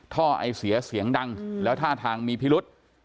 ท่อไอเสียเสียงดังแล้วท่าทางมีพิรุษ